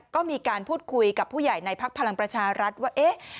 ก็มีการพูดคุยกับผู้ใหญ่ในพักพลังประชารัฐว่าเอ๊ะ